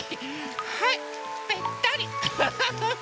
はいべったり。